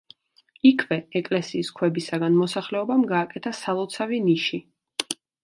იქვე, ეკლესიის ქვებისაგან მოსახლეობამ გააკეთა სალოცავი ნიში.